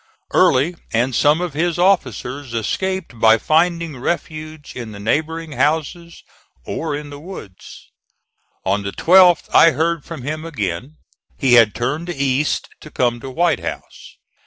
Early and some of his officers escaped by finding refuge in the neighboring houses or in the woods. On the 12th I heard from him again. He had turned east, to come to White House.